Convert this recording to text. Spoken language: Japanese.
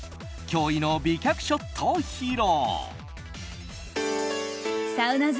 驚異の美脚ショットを披露。